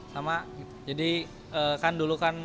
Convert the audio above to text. sama jadi kan dulu kan